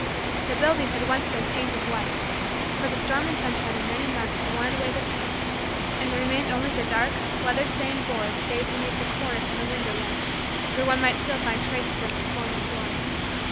The building had once been painted white but the storm and sunshine of many months had worn away the paint, and there remained only the dark, weather stained, boards save beneath the cornice and the window ledge where one might still find traces of its former glory.